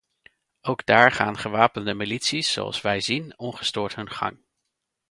Ook daar gaan gewapende milities, zoals wij zien, ongestoord hun gang.